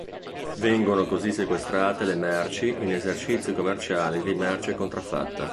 Vengono così sequestrate le merci in esercizi commerciali di merce contraffatta.